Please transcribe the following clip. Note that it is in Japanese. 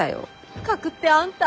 「不覚」ってあんた。